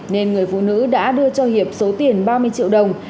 nên người phụ nữ đã đưa cho hiệp số tiền ba mươi triệu đồng